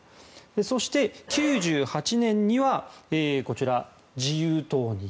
そして、１９９８年にはこちら、自由党に。